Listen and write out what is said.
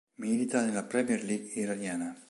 Milita nella Premier League iraniana.